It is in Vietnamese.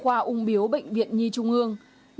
khoa ung biếu bệnh viện nhi trung ương